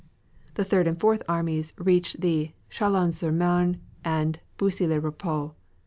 The Third and Fourth armies reached to Chalons sur Marne and Bussy le Repos.